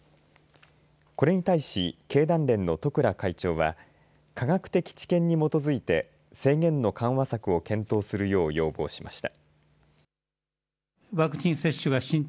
これに対し経団連の十倉会長は科学的知見に基づいて制限の緩和策を検討するよう要望しました。